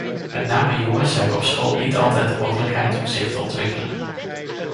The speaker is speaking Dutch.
Met name jongens hebben op school niet altijd de mogelijkheid om zich te ontwikkelen.